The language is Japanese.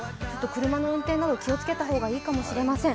車の運転など気をつけた方がいいかもしれません。